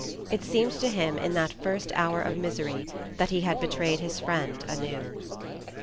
It seemed to him, in that first hour of misery, that he had betrayed his friend anew.